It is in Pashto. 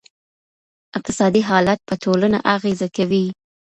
اقتصادي حالت په ټولنه اغېزه کوي.